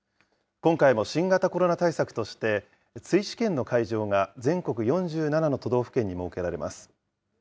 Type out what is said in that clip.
今回も新型コロナ対策として、追試験の会場が全国４７の都道府県に設けられます。